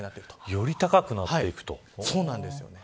より高くなっていくんですね。